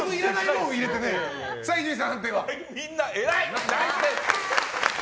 みんな、偉い！